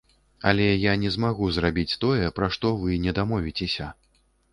Але я не змагу зрабіць тое, пра што вы не дамовіцеся.